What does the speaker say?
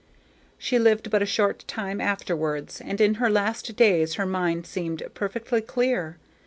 She lived but a short time afterwards, and in her last days her mind seemed perfectly clear.